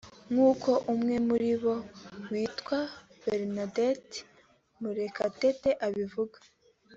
nkuko umwe muri bo witwa Bernadette Murekatete abivuga